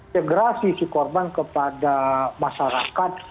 segera sisi korban kepada masyarakat